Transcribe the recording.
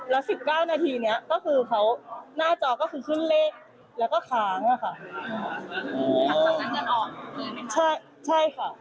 แล้ว๑๙นาทีนี่ก็คือหน้าจอก็คือขึ้นเลขแล้วก็ค้างฮะ